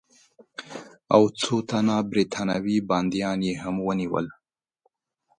او څو تنه برټانوي بندیان یې هم ونیول.